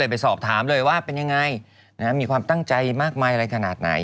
ได้สอบถามเลยว่ามีความตั้งใจมากใหม่อะไรขนาดไหน